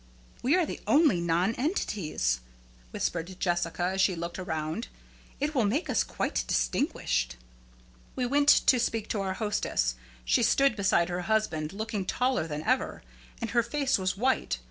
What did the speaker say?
"We are the only nonentities," whispered Jessica, as she looked around; "it will make us quite distinguished." We went to speak to our hostess. She stood beside her husband, looking taller than ever; and her face was white.